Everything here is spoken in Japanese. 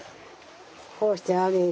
こうしてあげて。